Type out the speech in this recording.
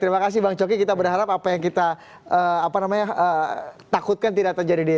terima kasih bang coki kita berharap apa yang kita takutkan tidak terjadi di